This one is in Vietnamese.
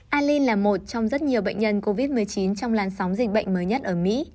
ali là một trong rất nhiều bệnh nhân covid một mươi chín trong làn sóng dịch bệnh mới nhất ở mỹ